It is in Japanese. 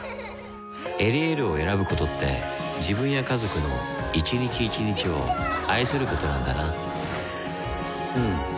「エリエール」を選ぶことって自分や家族の一日一日を愛することなんだなうん。